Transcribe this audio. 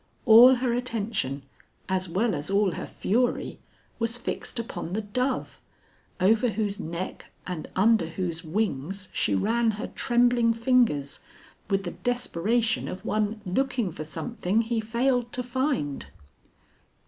All her attention, as well as all her fury, was fixed upon the dove, over whose neck and under whose wings she ran her trembling fingers with the desperation of one looking for something he failed to find.